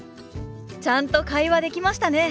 ちゃんと会話できましたね！